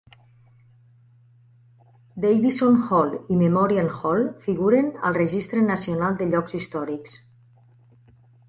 Davidson Hall i Memorial Hall figuren al Registre Nacional de Llocs Històrics.